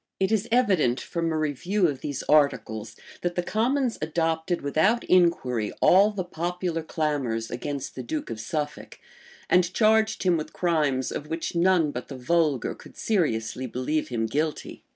607 It is evident, from a review of these articles, that the commons adopted without inquiry all the popular clamors against the duke of Suffolk, and charged him with crimes of which none but the vulgar could seriously believe him guilty.